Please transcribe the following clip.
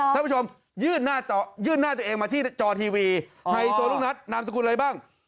ท่านผู้ชมยื่นหน้าตัวเองมาที่จอทีวีไฮโซลูกนัดนามสกุลอะไรบ้าง